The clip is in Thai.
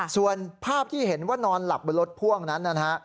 ส่วนภาพที่เห็นว่านอนหลับบนรถพ่วงนั้นนะฮะ